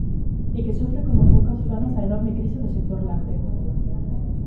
E que sofre como poucas zonas a enorme crise do sector lácteo.